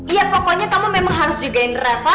iya pokoknya kamu memang harus jagain reva